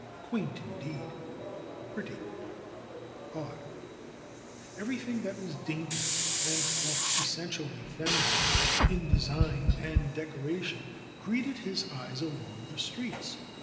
Quaint indeed, pretty, odd ! Everything that was dainty, and — well, essentially feminine — in design and decoration greeted his eyes along the streets.